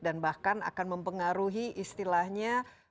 bahkan akan mempengaruhi istilahnya